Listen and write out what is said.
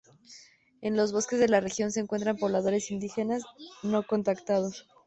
En los bosques de la región se encuentran pobladores indígenas no contactados.